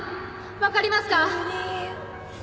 分かりますか！？